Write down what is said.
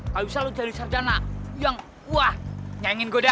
kalau bisa lo jadi sarjana yang wah nyayangin goda